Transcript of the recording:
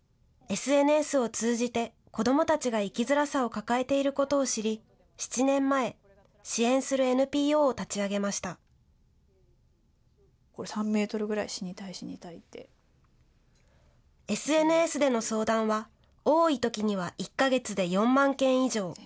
ＳＮＳを通じて、子どもたちが生きづらさを抱えていることを知り、７年前、支援すＳＮＳでの相談は、多いときには１か月で４万件以上。